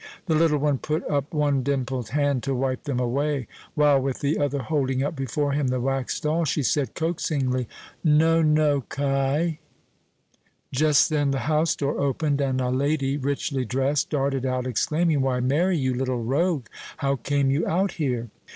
The little one put up one dimpled hand to wipe them away, while with the other holding up before him the wax doll, she said, coaxingly, "No no ky." Just then the house door opened, and a lady, richly dressed, darted out, exclaiming, "Why, Mary, you little rogue, how came you out here?"